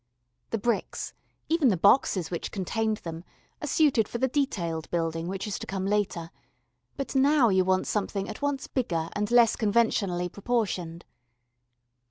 The bricks, even the boxes which contained them, are suited for the detailed building which is to come later, but now you want something at once bigger and less conventionally proportioned.